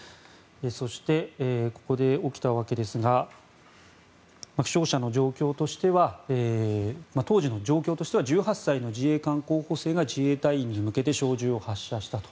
そして、ここで起きたわけですが当時の状況としては１８歳の自衛官候補生が自衛隊員に向けて小銃を発射したと。